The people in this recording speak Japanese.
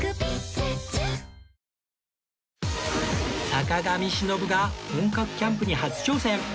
坂上忍が本格キャンプに初挑戦！